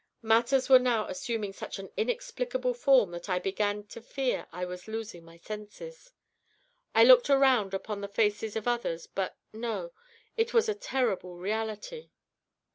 Matters were now assuming such an inexplicable form I began to fear I was losing my senses. I looked around upon the faces of others; but no it was all a terrible reality.